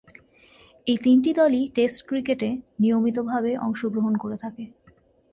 এ তিনটি দলই টেস্ট ক্রিকেটে নিয়মিতভাবে অংশগ্রহণ করে থাকে।